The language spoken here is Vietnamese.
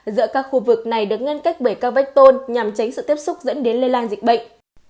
giữa các khu vực này được ngăn cách bởi các vách tôn nhằm tránh sự tiếp xúc dẫn đến lây lan dịch bệnh